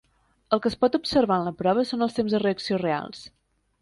El que es pot observar en la prova són els temps de reacció reals.